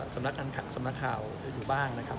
สำนักการสำนักข่าวอยู่บ้างนะครับ